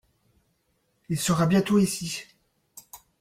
Il sera bientôt ici.